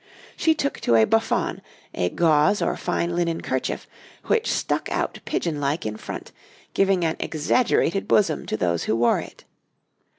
She took to a buffon, a gauze or fine linen kerchief, which stuck out pigeon like in front, giving an exaggerated bosom to those who wore it.